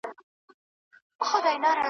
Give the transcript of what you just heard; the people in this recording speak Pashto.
د ځالۍ له پاسه مار یې وولیدلی .